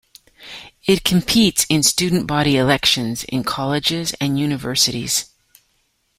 It competes in student-body elections in colleges and universities.